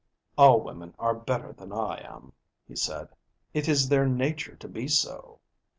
"All women are better than I am," he said. "It is their nature to be so."